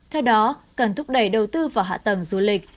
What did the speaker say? theo đó cần thúc đẩy đầu tư vào hạ tầng du lịch